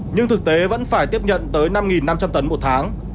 nhưng thực tế vẫn phải tiếp nhận tới năm năm trăm linh tấn